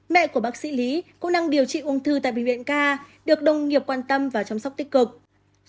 mẹ của bác sĩ lý cũng đang điều trị ung thư tại bệnh viện k được đồng nghiệp quan tâm và chăm sóc tích cực